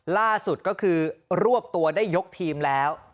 ล่าสุดก็คือรวบตัวได้ยกทีมแล้ว